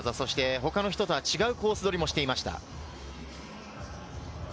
他の人とは違うコース取りもしていました。